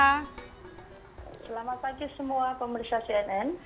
selamat pagi semua pemerintah cnn